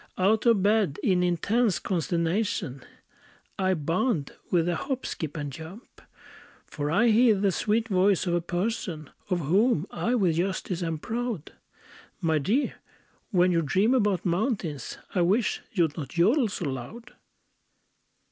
Out of bed, in intense consternation, I bound with a hop, skip, and jump. For I hear the sweet voice of a "person" Of whom I with justice am proud, "_My dear, when you dream about mountains, I wish you'd not jodel so loud!